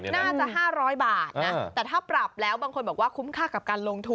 น่าจะ๕๐๐บาทนะแต่ถ้าปรับแล้วบางคนบอกว่าคุ้มค่ากับการลงทุน